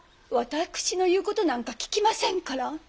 私の言うことなんか聞きませんから。